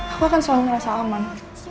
aku akan selalu ngerasa aman